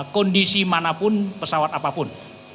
kondisi manapun pesawat apapun